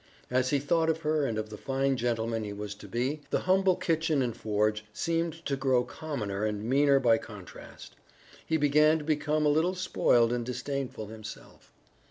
As he thought of her and of the fine gentleman he was to be, the humble kitchen and forge seemed to grow commoner and meaner by contrast. He began to become a little spoiled and disdainful himself.